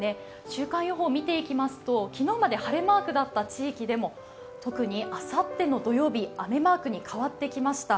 週間予報を見ていきますと昨日まで晴れマークだった地域でも特にあさっての土曜日、雨マークに変わってきました。